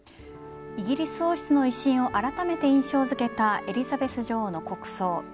イギリス王室の威信をあらためて印象付けたエリザベス女王の国葬。